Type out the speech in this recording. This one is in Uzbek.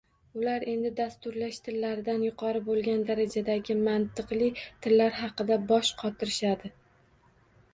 Ular endi dasturlash tillaridan yuqori bo’lgan darajadagi mantiqli tillar haqida bosh qotirishadi